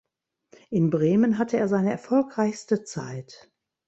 In Bremen hatte er seine erfolgreichste Zeit.